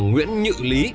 nguyễn nhự lý